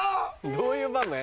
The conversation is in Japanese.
どういう場面？